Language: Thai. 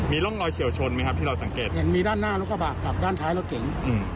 มีล่องลอยเฉี่ยวชนมั้ยครับที่เราสังเกต